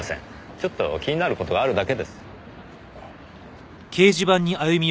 ちょっと気になる事があるだけです。